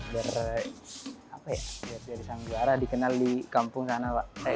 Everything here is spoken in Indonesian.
biar di sana dikenal di kampung sana